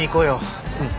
うん。